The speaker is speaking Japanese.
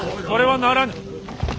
それはならぬ。